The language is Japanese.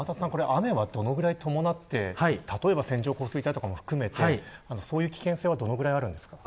雨はどのぐらい伴って例えば、線状降水帯も含めてそういう危険性はどのぐらいありますか。